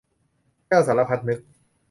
แก้วสารพัดนึก